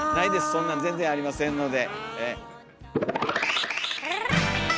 そんなん全然ありませんので。